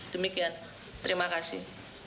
demikian terima kasih